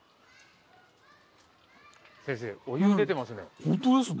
先生お湯出てますね。